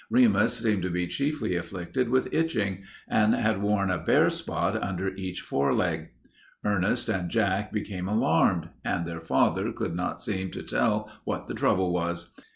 Remus seemed to be chiefly afflicted with itching, and had worn a bare spot under each foreleg. Ernest and Jack became alarmed, and their father could not seem to tell what the trouble was.